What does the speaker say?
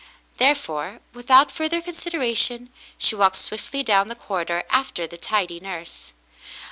There fore, without further consideration, she walked swiftly down the corridor after the tidy nurse.